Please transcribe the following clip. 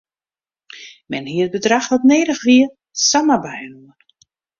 Men hie it bedrach dat nedich wie samar byinoar.